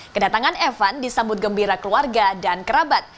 kedatangan evan disambut gembira keluarga dan kerabat